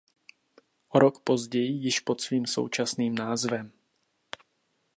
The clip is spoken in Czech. O rok později již pod svým současným názvem.